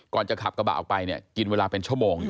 จะขับกระบะออกไปเนี่ยกินเวลาเป็นชั่วโมง